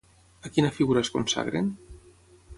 A quina figura es consagren?